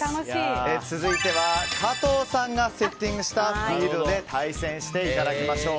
続いては加藤さんがセッティングしたフィールドで対戦していただきましょう。